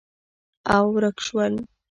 او، ورک شول